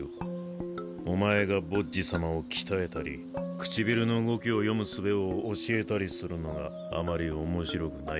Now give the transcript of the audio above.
お前がボッジ様を鍛えたり唇の動きを読むすべを教えたりするのがあまり面白くない